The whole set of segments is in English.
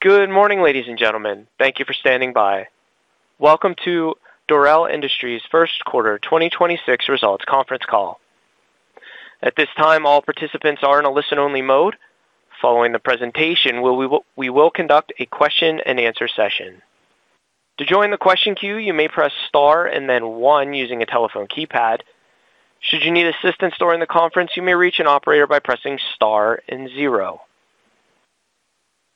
Good morning, ladies and gentlemen. Thank you for standing by. Welcome to Dorel Industries First Quarter 2026 Results Conference Call. At this time, all participants are in a listen-only mode. Following the presentation, we will conduct a question-and-answer session. To join the question queue, you may press star and then one using a telephone keypad. Should you need assistance during the conference, you may reach an operator by pressing star and zero.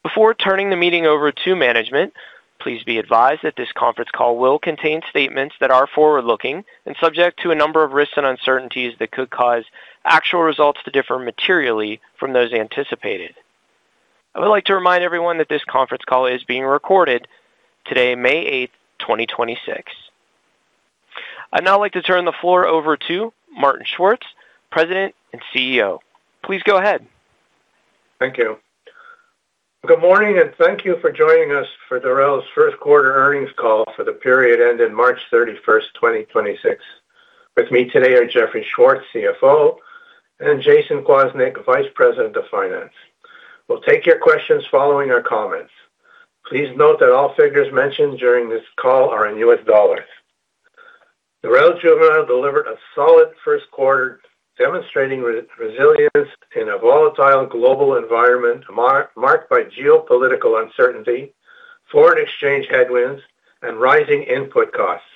Before turning the meeting over to management, please be advised that this conference call will contain statements that are forward-looking and subject to a number of risks and uncertainties that could cause actual results to differ materially from those anticipated. I would like to remind everyone that this conference call is being recorded today, May 8, 2026. I'd now like to turn the floor over to Martin Schwartz, President and CEO. Please go ahead. Thank you. Good morning, and thank you for joining us for Dorel's first quarter earnings call for the period ending March 31, 2026. With me today are Jeffrey Schwartz, CFO, and Jayson Kwasnik, Vice President of Finance. We'll take your questions following our comments. Please note that all figures mentioned during this call are in U.S. dollars. Dorel Juvenile delivered a solid first quarter, demonstrating resilience in a volatile global environment marked by geopolitical uncertainty, foreign exchange headwinds, and rising input costs.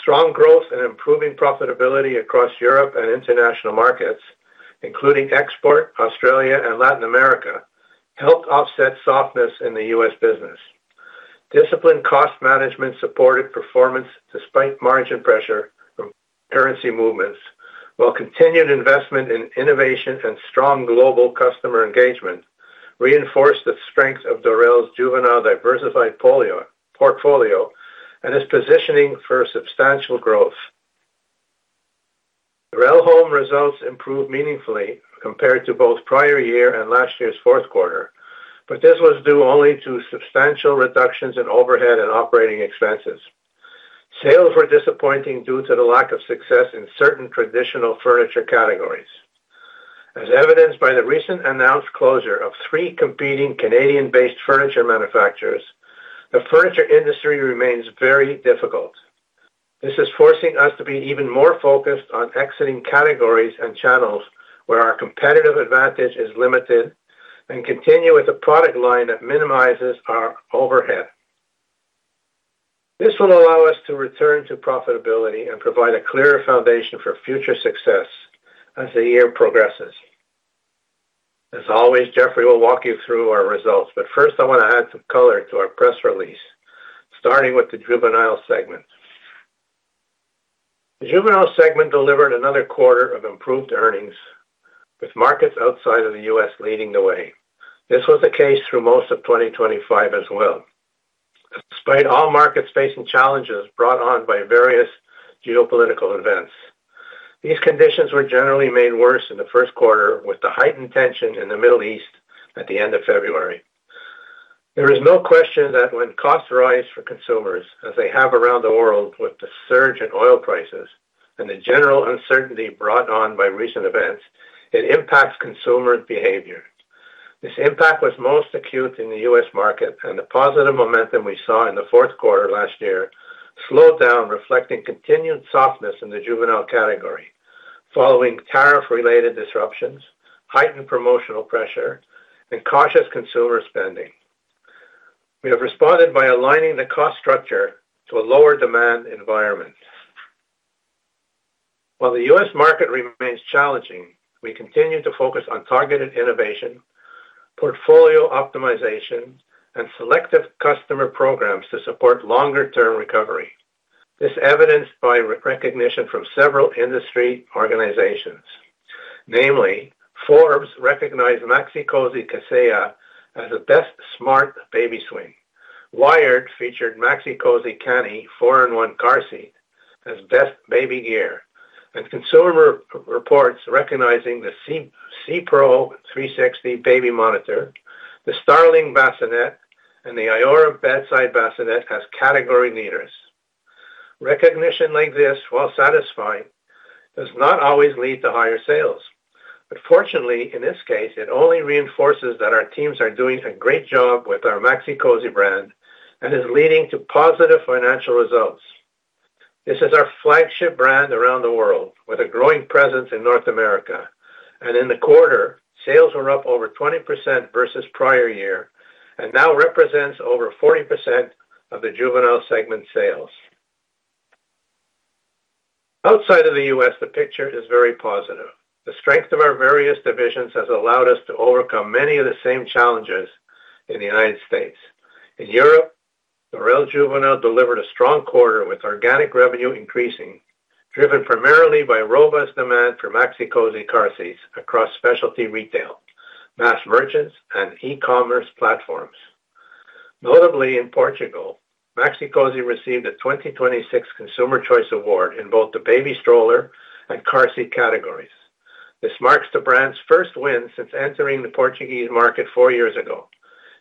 Strong growth and improving profitability across Europe and international markets, including export, Australia, and Latin America, helped offset softness in the U.S. business. Disciplined cost management supported performance despite margin pressure from currency movements, while continued investment in innovation and strong global customer engagement reinforced the strength of Dorel's Juvenile diversified portfolio and is positioning for substantial growth. Dorel Home results improved meaningfully compared to both prior year and last year's fourth quarter, but this was due only to substantial reductions in overhead and operating expenses. Sales were disappointing due to the lack of success in certain traditional furniture categories. As evidenced by the recent announced closure of three competing Canadian-based furniture manufacturers, the furniture industry remains very difficult. This is forcing us to be even more focused on exiting categories and channels where our competitive advantage is limited and continue with a product line that minimizes our overhead. This will allow us to return to profitability and provide a clearer foundation for future success as the year progresses. As always, Jeffrey will walk you through our results, but first, I want to add some color to our press release, starting with the Juvenile segment. The Juvenile segment delivered another quarter of improved earnings, with markets outside of the U.S. leading the way. This was the case through most of 2025 as well. Despite all markets facing challenges brought on by various geopolitical events. These conditions were generally made worse in the first quarter with the heightened tension in the Middle East at the end of February. There is no question that when costs rise for consumers, as they have around the world with the surge in oil prices and the general uncertainty brought on by recent events, it impacts consumer behavior. This impact was most acute in the U.S. market, and the positive momentum we saw in the fourth quarter last year slowed down, reflecting continued softness in the Juvenile category following tariff-related disruptions, heightened promotional pressure, and cautious consumer spending. We have responded by aligning the cost structure to a lower demand environment. While the U.S. market remains challenging, we continue to focus on targeted innovation, portfolio optimization, and selective customer programs to support longer-term recovery. This evidenced by re-recognition from several industry organizations. Namely, Forbes recognized Maxi-Cosi Cassia as the best smart baby swing. Wired featured Maxi-Cosi Kani 4-in-1 car seat as best baby gear. Consumer Reports recognizing the See Pro 360 baby monitor, the Starling Bassinet, and the Iora Bedside Bassinet as category leaders. Recognition like this, while satisfying, does not always lead to higher sales. Fortunately, in this case, it only reinforces that our teams are doing a great job with our Maxi-Cosi brand and is leading to positive financial results. This is our flagship brand around the world with a growing presence in North America. In the quarter, sales were up over 20% versus prior year and now represents over 40% of the Juvenile Segment sales. Outside of the U.S., the picture is very positive. The strength of our various divisions has allowed us to overcome many of the same challenges in the United States. In Europe, Dorel Juvenile delivered a strong quarter with organic revenue increasing, driven primarily by robust demand for Maxi-Cosi car seats across specialty retail, mass merchants, and e-commerce platforms. Notably, in Portugal, Maxi-Cosi received a 2026 Consumer Choice Award in both the baby stroller and car seat categories. This marks the brand's first win since entering the Portuguese market four years ago,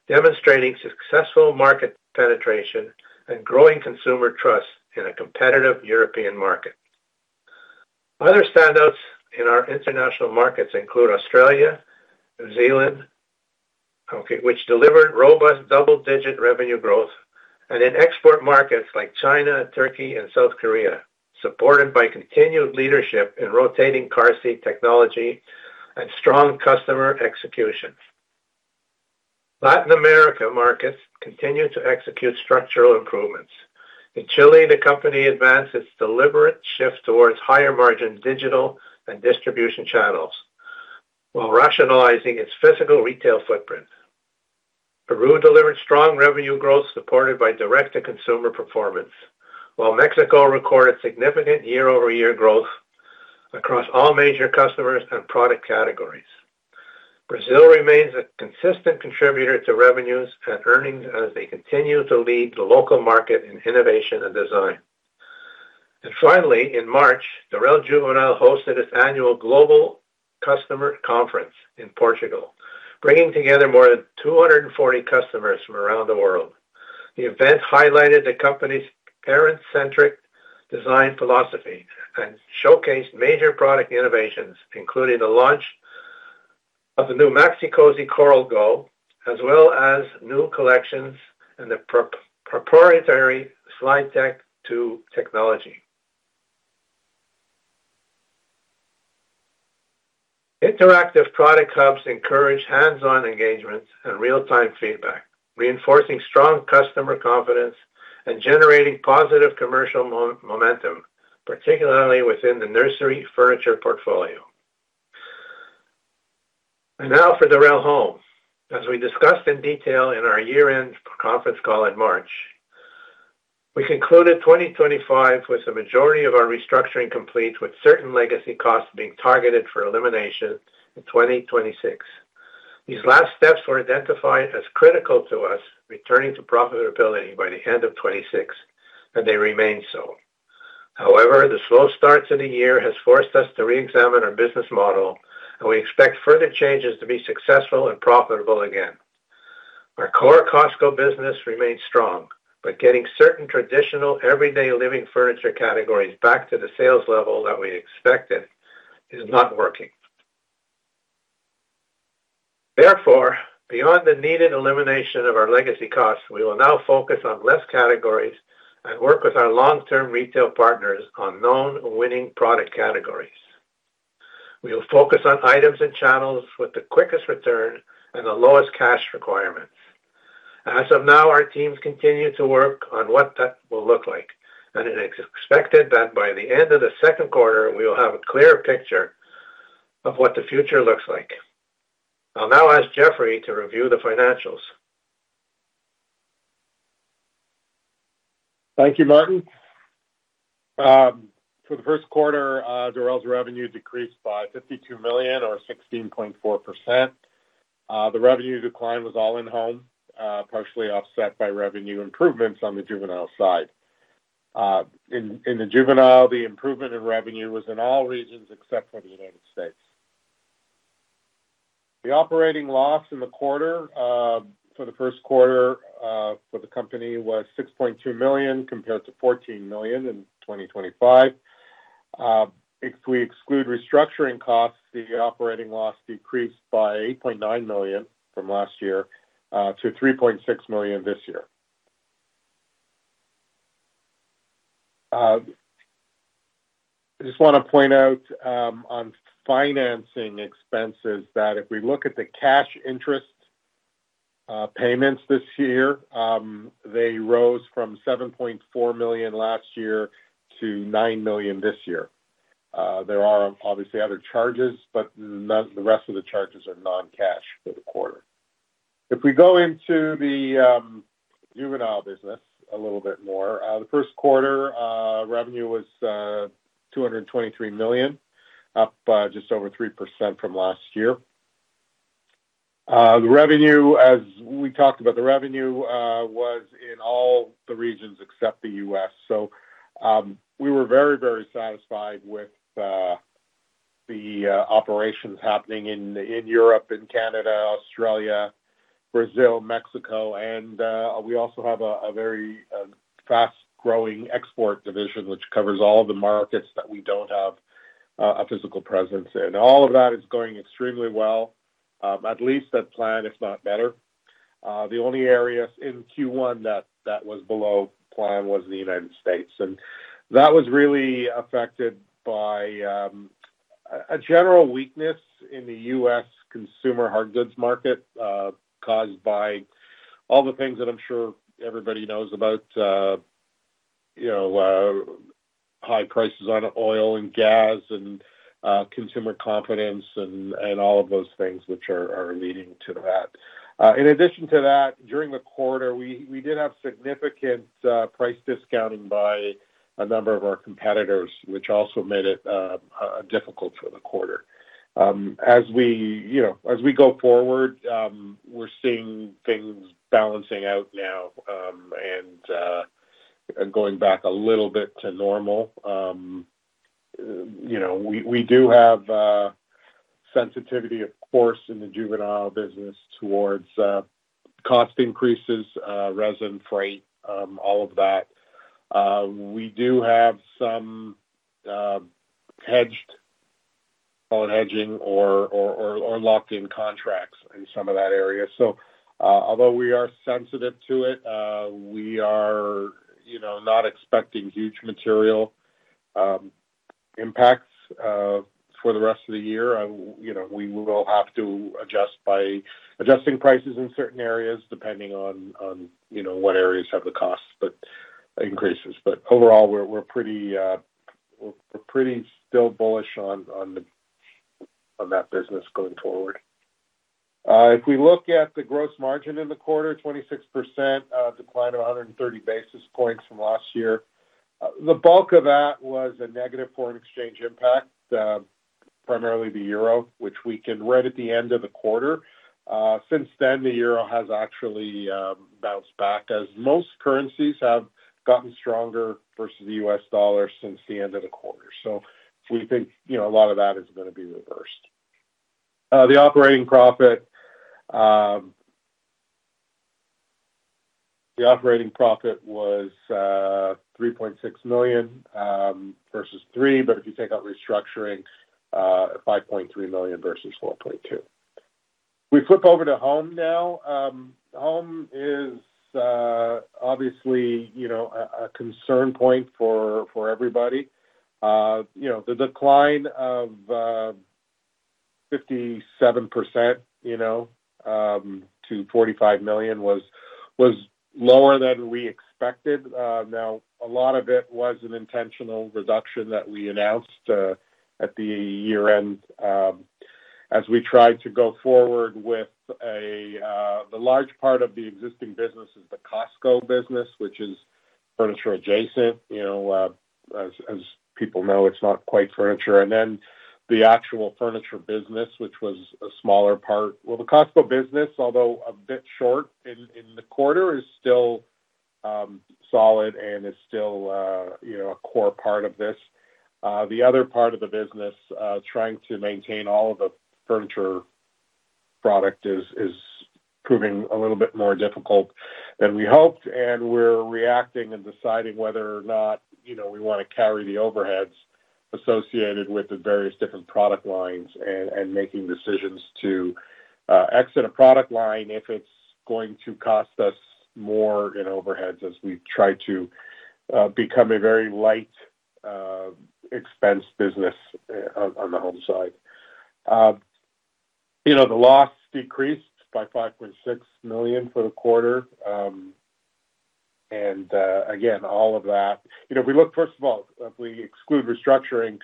demonstrating successful market penetration and growing consumer trust in a competitive European market. Other standouts in our international markets include Australia, New Zealand, U.K., which delivered robust double-digit revenue growth, and in export markets like China, Turkey, and South Korea, supported by continued leadership in rotating car seat technology and strong customer execution. Latin America markets continue to execute structural improvements. In Chile, the company advanced its deliberate shift towards higher margin digital and distribution channels while rationalizing its physical retail footprint. Peru delivered strong revenue growth supported by direct-to-consumer performance. While Mexico recorded significant year-over-year growth across all major customers and product categories. Brazil remains a consistent contributor to revenues and earnings as they continue to lead the local market in innovation and design. Finally, in March, Dorel Juvenile hosted its annual global customer conference in Portugal, bringing together more than 240 customers from around the world. The event highlighted the company's parent-centric design philosophy and showcased major product innovations, including the launch of the new Maxi-Cosi Coral Go, as well as new collections and the proprietary SLIDETECH 2 technology. Interactive product hubs encourage hands-on engagement and real-time feedback, reinforcing strong customer confidence and generating positive commercial momentum, particularly within the nursery furniture portfolio. Now for Dorel Home. As we discussed in detail in our year-end conference call in March, we concluded 2025 with the majority of our restructuring complete, with certain legacy costs being targeted for elimination in 2026. These last steps were identified as critical to us returning to profitability by the end of 2026, and they remain so. However, the slow start to the year has forced us to reexamine our business model, and we expect further changes to be successful and profitable again. Our core Cosco business remains strong, but getting certain traditional everyday living furniture categories back to the sales level that we expected is not working. Therefore, beyond the needed elimination of our legacy costs, we will now focus on less categories and work with our long-term retail partners on known winning product categories. We will focus on items and channels with the quickest return and the lowest cash requirements. As of now, our teams continue to work on what that will look like, and it is expected that by the end of the second quarter, we will have a clearer picture of what the future looks like. I'll now ask Jeffrey to review the financials. Thank you, Martin. For the first quarter, Dorel's revenue decreased by $52 million or 16.4%. The revenue decline was all in Home, partially offset by revenue improvements on the Juvenile side. In the Juvenile, the improvement in revenue was in all regions except for the United States. The operating loss in the quarter, for the first quarter, for the company was $6.2 million, compared to $14 million in 2025. If we exclude restructuring costs, the operating loss decreased by $8.9 million from last year, to $3.6 million this year. I just wanna point out on financing expenses that if we look at the cash interest payments this year, they rose from $7.4 million last year to $9 million this year. There are obviously other charges, but the rest of the charges are non-cash for the quarter. If we go into the Dorel Juvenile a little bit more, the first quarter revenue was $223 million, up by just over 3% from last year. The revenue, as we talked about, the revenue was in all the regions except the U.S. We were very, very satisfied with the operations happening in Europe, in Canada, Australia, Brazil, Mexico. We also have a very fast-growing export division which covers all of the markets that we don't have a physical presence in. All of that is going extremely well, at least at plan, if not better. The only area in Q1 that was below plan was the U.S., and that was really affected by a general weakness in the U.S. consumer hard goods market, caused by all the things that I'm sure everybody knows about. You know, high prices on oil and gas and consumer confidence and all of those things which are leading to that. In addition to that, during the quarter, we did have significant price discounting by a number of our competitors, which also made it difficult for the quarter. As we, you know, as we go forward, we're seeing things balancing out now, and going back a little bit to normal. You know, we do have sensitivity, of course, in the Juvenile Business towards cost increases, resin, freight, all of that. We do have some hedged or hedging or locked-in contracts in some of that area. Although we are sensitive to it, we are, you know, not expecting huge material impacts for the rest of the year. You know, we will have to adjust by adjusting prices in certain areas, depending on what areas have the costs, but increases. Overall, we're pretty still bullish on that business going forward. If we look at the gross margin in the quarter, 26% decline of 130 basis points from last year. The bulk of that was a negative foreign exchange impact, primarily the euro, which we can read at the end of the quarter. Since then, the euro has actually bounced back as most currencies have gotten stronger versus the U.S. dollar since the end of the quarter. We think, you know, a lot of that is gonna be reversed. The operating profit was $3.6 million versus $3 million, but if you take out restructuring, $5.3 million versus $4.2 million. We flip over to Home now. Home is, obviously, you know, a concern point for everybody. You know, the decline of 57%, you know, to $45 million was lower than we expected. Now, a lot of it was an intentional reduction that we announced at the year-end, as we tried to go forward with a, the large part of the existing business is the Cosco business, which is furniture adjacent. You know, as people know, it's not quite furniture. The actual furniture business, which was a smaller part. Well, the Cosco business, although a bit short in the quarter, is still solid and is still, you know, a core part of this. The other part of the business, trying to maintain all of the furniture product is proving a little bit more difficult than we hoped, and we're reacting and deciding whether or not, you know, we wanna carry the overheads associated with the various different product lines and making decisions to exit a product line if it's going to cost us more in overheads as we try to become a very light expense business on the Home side. You know, the loss decreased by $5.6 million for the quarter. Again, all of that You know, if we look, first of all, if we exclude restructuring,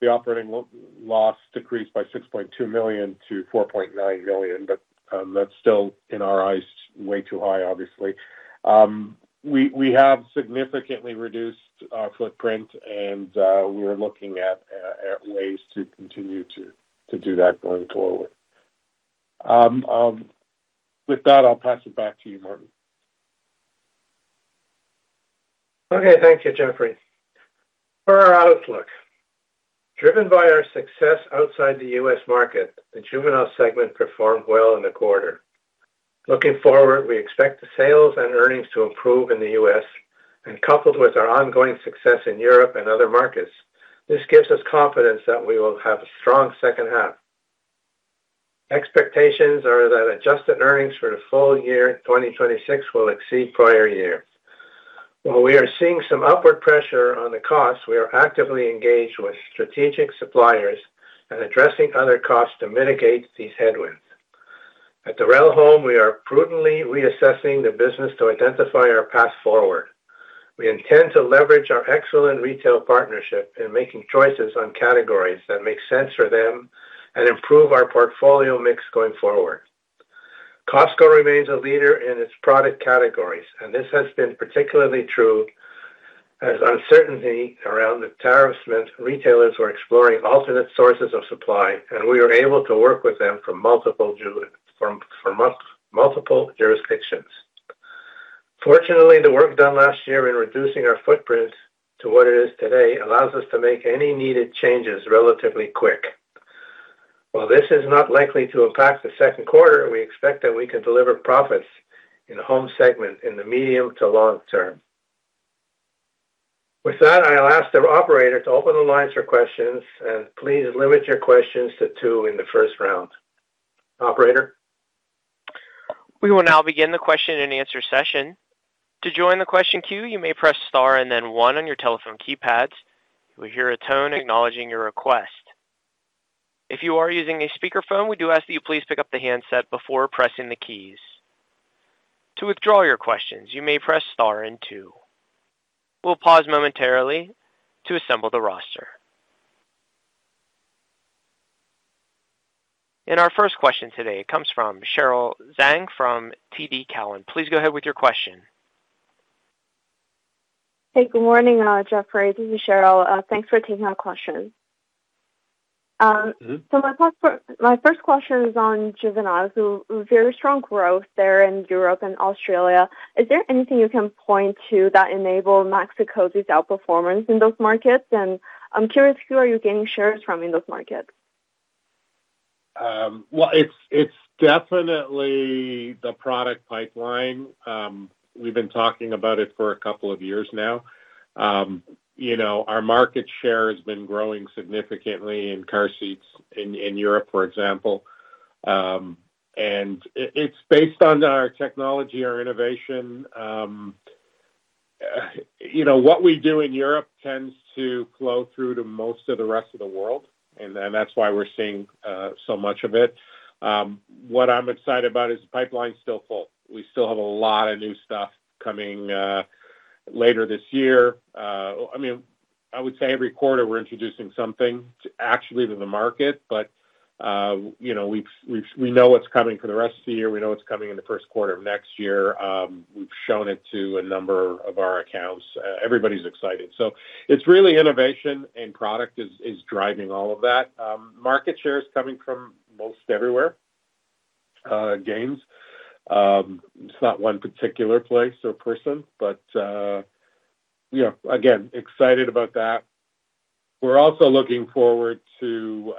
the operating loss decreased by $6.2 million to $4.9 million, that's still, in our eyes, way too high, obviously. We have significantly reduced our footprint, and we're looking at ways to continue to do that going forward. With that, I'll pass it back to you, Martin. Okay. Thank you, Jeffrey. For our outlook, driven by our success outside the U.S. market, the Juvenile segment performed well in the quarter. Looking forward, we expect the sales and earnings to improve in the U.S. and coupled with our ongoing success in Europe and other markets, this gives us confidence that we will have a strong second half. Expectations are that adjusted earnings for the full year 2026 will exceed prior year. While we are seeing some upward pressure on the costs, we are actively engaged with strategic suppliers and addressing other costs to mitigate these headwinds. At Dorel Home, we are prudently reassessing the business to identify our path forward. We intend to leverage our excellent retail partnership in making choices on categories that make sense for them and improve our portfolio mix going forward. Cosco remains a leader in its product categories. This has been particularly true as uncertainty around the tariff meant retailers were exploring alternate sources of supply, and we were able to work with them from multiple jurisdictions. Fortunately, the work done last year in reducing our footprint to what it is today allows us to make any needed changes relatively quick. While this is not likely to impact the second quarter, we expect that we can deliver profits in the Home segment in the medium to long term. With that, I'll ask the operator to open the line for questions. Please limit your questions to two in the first round. Operator? We will now begin the question-and-answer session. To join the question queue, you may press star and then one on your telephone keypads. You will hear a tone acknowledging your request. If you are using a speakerphone, we do ask that you please pick up the handset before pressing the keys. To withdraw your questions, you may press star and two. We'll pause momentarily to assemble the roster. Our first question today comes from Cheryl Zhang from TD Cowen. Please go ahead with your question. Hey, good morning, Jeffrey. This is Cheryl. Thanks for taking our question. My first question is on Juvenile. Very strong growth there in Europe and Australia. Is there anything you can point to that enabled Maxi-Cosi outperformance in those markets? I'm curious, who are you gaining shares from in those markets? Well, it's definitely the product pipeline. We've been talking about it for a couple of years now. You know, our market share has been growing significantly in car seats in Europe, for example. It's based on our technology, our innovation. You know, what we do in Europe tends to flow through to most of the rest of the world, and that's why we're seeing so much of it. What I'm excited about is the pipeline's still full. We still have a lot of new stuff coming later this year. I mean, I would say every quarter we're introducing something to actually to the market. You know, we know what's coming for the rest of the year. We know what's coming in the first quarter of next year. We've shown it to a number of our accounts. Everybody's excited. It's really innovation and product is driving all of that. Market share is coming from most everywhere, gains. It's not one particular place or person, but, you know, again, excited about that. We're also looking forward to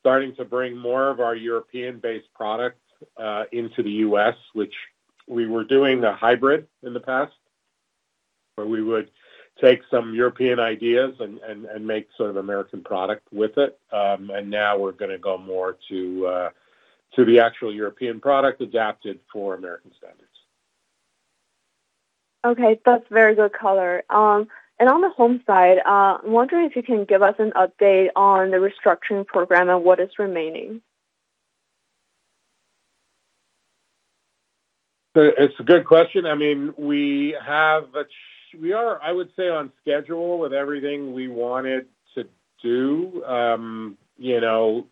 starting to bring more of our European-based products into the U.S., which we were doing a hybrid in the past, where we would take some European ideas and, and make sort of American product with it. Now we're gonna go more to the actual European product adapted for American standards. Okay, that's very good color. On the Home side, I'm wondering if you can give us an update on the restructuring program and what is remaining. It's a good question. I mean, we are, I would say, on schedule with everything we wanted to do, you know,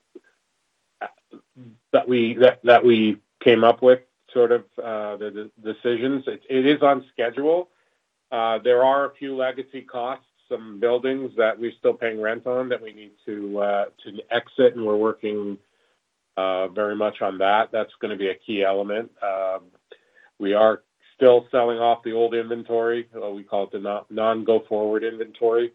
that we came up with, sort of, the decisions. It is on schedule. There are a few legacy costs, some buildings that we're still paying rent on that we need to exit, and we're working very much on that. That's gonna be a key element. We are still selling off the old inventory, or we call it the non-go-forward inventory.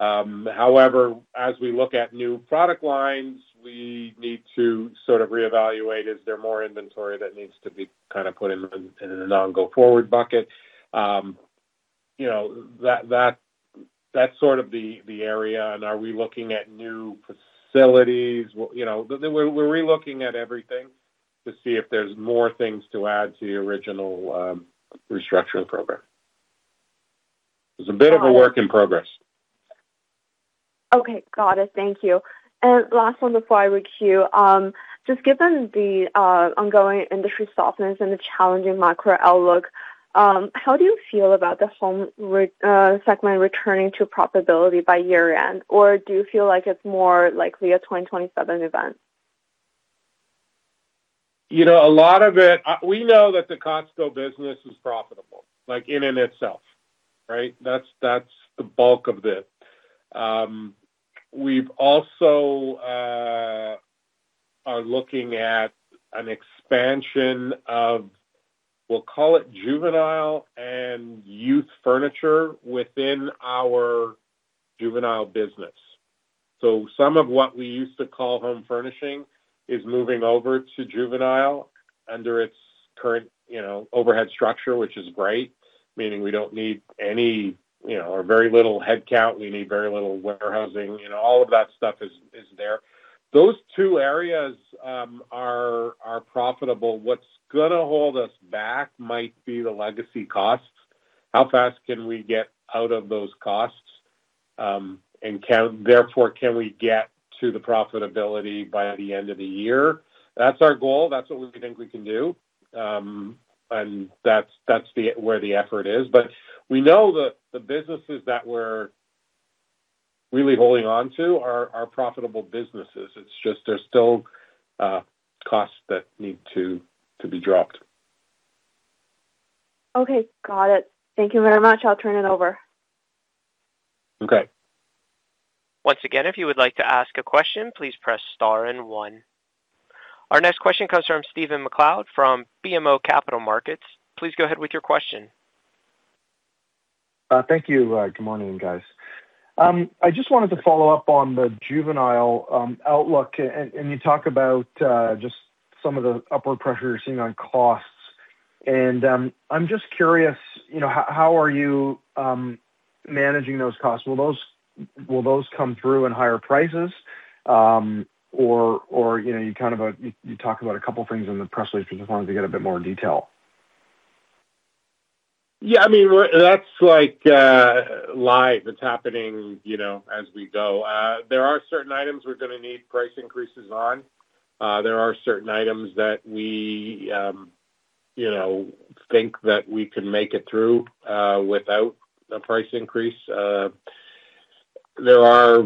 However, as we look at new product lines, we need to sort of reevaluate, is there more inventory that needs to be kind of put in the non-go-forward bucket. You know, that's sort of the area. Are we looking at new facilities? Well, you know, we're re-looking at everything to see if there's more things to add to the original restructuring program. It's a bit of a work in progress. Okay. Got it. Thank you. Last one before I queue. Just given the ongoing industry softness and the challenging macro outlook, how do you feel about the home segment returning to profitability by year end? Or do you feel like it's more likely a 2027 event? You know, we know that the Cosco business is profitable, like in and itself, right? That's, that's the bulk of it. We've also are looking at an expansion of, we'll call it Juvenile and Youth Furniture within our Juvenile business. Some of what we used to call Home Furnishing is moving over to Juvenile under its current, you know, overhead structure, which is great. Meaning we don't need any, you know, or very little headcount. We need very little warehousing. You know, all of that stuff is there. Those two areas are profitable. What's gonna hold us back might be the legacy costs. How fast can we get out of those costs, and therefore, can we get to the profitability by the end of the year? That's our goal. That's what we think we can do. That's where the effort is. We know the businesses that we're really holding on to are profitable businesses. It's just there's still costs that need to be dropped. Okay. Got it. Thank you very much. I'll turn it over. Okay. Once again, if you would like to ask a question, please press star one. Our next question comes from Stephen MacLeod from BMO Capital Markets. Please go ahead with your question. Thank you. Good morning, guys. I just wanted to follow up on the Juvenile outlook and you talk about just some of the upward pressure you're seeing on costs, and I'm just curious, you know, how are you managing those costs? Will those come through in higher prices? You know, you kind of you talk about a couple things in the press release. Just wanted to get a bit more detail. Yeah, I mean, that's like live. It's happening, you know, as we go. There are certain items we're gonna need price increases on. There are certain items that we, you know, think that we can make it through without a price increase. There are,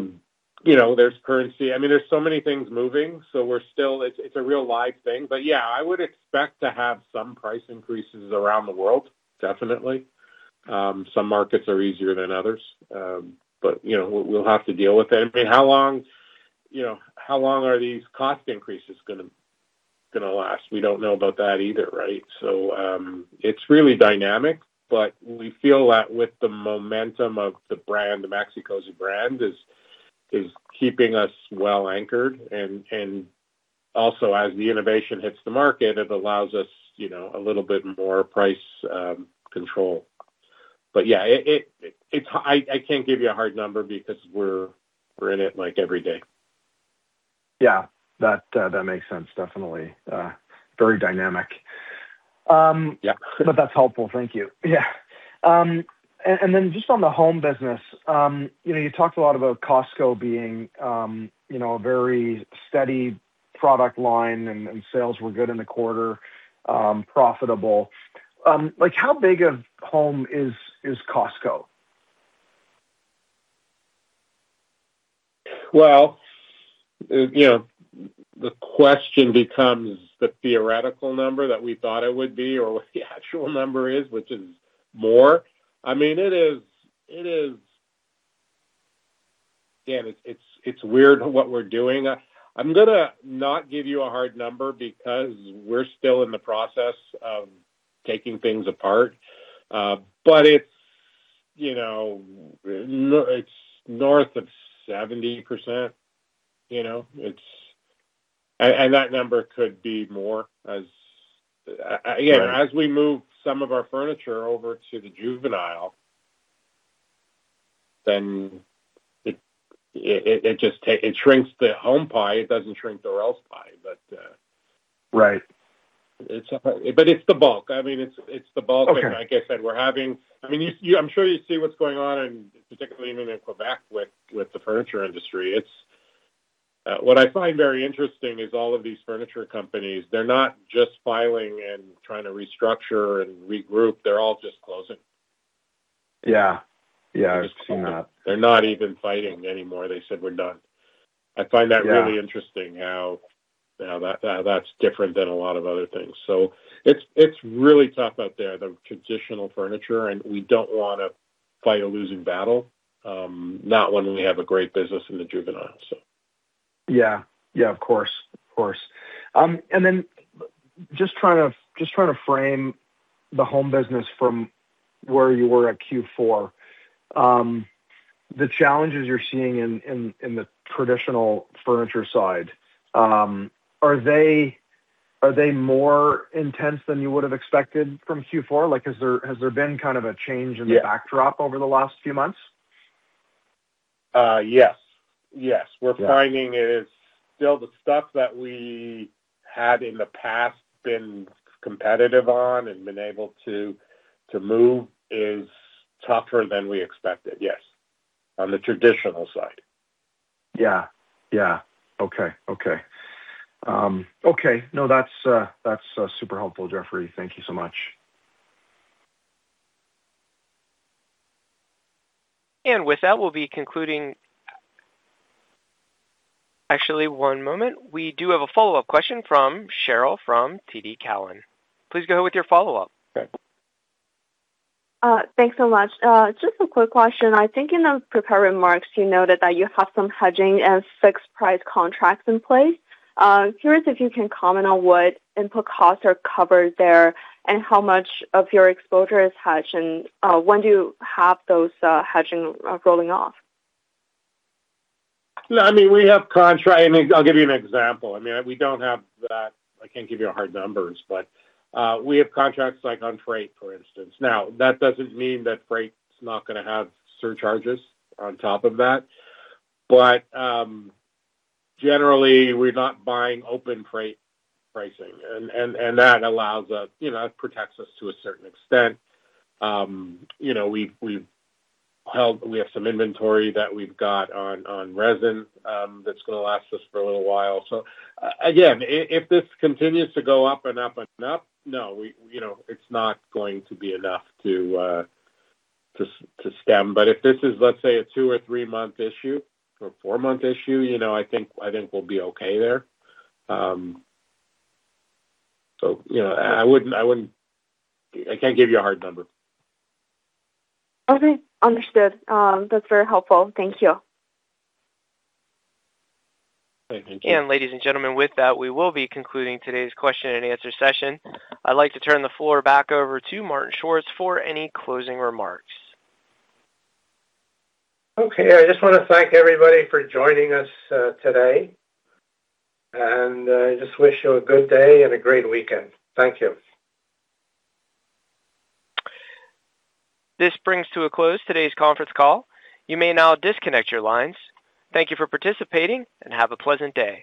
you know, there's currency. I mean, there's so many things moving. It's a real live thing. Yeah, I would expect to have some price increases around the world, definitely. Some markets are easier than others. You know, we'll have to deal with it. I mean, how long, you know, how long are these cost increases gonna last. We don't know about that either, right? It's really dynamic, but we feel that with the momentum of the brand, the Maxi-Cosi brand is keeping us well-anchored. Also as the innovation hits the market, it allows us, you know, a little bit more price, control. Yeah, I can't give you a hard number because we're in it, like, every day. Yeah. That, that makes sense. Definitely, very dynamic. Yeah. That's helpful. Thank you. Yeah. Then just on the Home business, you know, you talked a lot about Cosco being, you know, a very steady product line and sales were good in the quarter, profitable. Like, how big of home is Cosco? Well, you know, the question becomes the theoretical number that we thought it would be or what the actual number is, which is more. I mean, it is, it is Dan, it's weird what we're doing. I'm gonna not give you a hard number because we're still in the process of taking things apart. It's, you know, it's north of 70%, you know. It's that number could be more as again. Right. As we move some of our furniture over to the Juvenile, then it just shrinks the Home pie. It doesn't shrink the else pie. Right. It's the bulk. I mean, it's the bulk. Okay. Like I said, I mean, you, I'm sure you see what's going on, and particularly even in Quebec with the furniture industry. What I find very interesting is all of these furniture companies, they're not just filing and trying to restructure and regroup. They're all just closing. Yeah. Yeah, I've seen that. They're not even fighting anymore. They said, "We're done." Yeah. Really interesting how that's different than a lot of other things. It's really tough out there, the traditional furniture. We don't want to fight a losing battle, not when we have a great business in the Juvenile. Yeah. Yeah, of course. Of course. Then just trying to frame the Home business from where you were at Q4, the challenges you're seeing in the traditional furniture side, are they more intense than you would've expected from Q4? Like, has there been kind of a change in the- Yeah. Backdrop over the last few months? Yes. Yes. We're finding it is still the stuff that we had in the past been competitive on and been able to move is tougher than we expected, yes, on the traditional side. Yeah. Yeah. Okay. Okay. Okay. No, that's super helpful, Jeffrey. Thank you so much. With that, we'll be concluding. Actually, one moment. We do have a follow-up question from Cheryl from TD Cowen. Please go ahead with your follow-up. Okay. Thanks so much. Just a quick question. I think in the prepared remarks, you noted that you have some hedging and fixed price contracts in place. Curious if you can comment on what input costs are covered there and how much of your exposure is hedged, and when do you have those hedging rolling off? No, I mean, we have contract. I mean, I'll give you an example. I mean, we don't have that I can't give you hard numbers, but we have contracts like on freight, for instance. That doesn't mean that freight's not gonna have surcharges on top of that. Generally, we're not buying open freight pricing. That allows us, you know, protects us to a certain extent. You know, we've held We have some inventory that we've got on resin that's gonna last us for a little while. Again, if this continues to go up and up and up, no, we, you know, it's not going to be enough to stem. If this is, let's say, a two or three-month issue or four-month issue, you know, I think, I think we'll be okay there. You know, I wouldn't I can't give you a hard number. Okay. Understood. That's very helpful. Thank you. Thank you. Ladies and gentlemen, with that, we will be concluding today's question and answer session. I'd like to turn the floor back over to Martin Schwartz for any closing remarks. Okay. I just wanna thank everybody for joining us today. Just wish you a good day and a great weekend. Thank you. This brings to a close today's conference call. You may now disconnect your lines. Thank you for participating, and have a pleasant day.